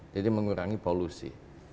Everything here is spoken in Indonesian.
jadi mengurangi polusi